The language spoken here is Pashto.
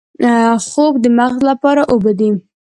خوب د مغز لپاره اوبه دي